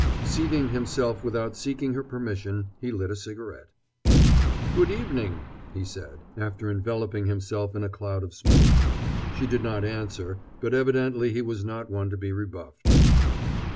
Seating himself without seeking her permission, he lit a cigarette. "Good evening," he said, after enveloping himself in a cloud of smoke. She did not answer, but evidently he was not one to be rebuffed.